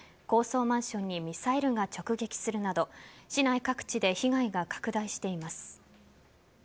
高層マンションにミサイルが直撃するなど市内各地で被害が拡大しています。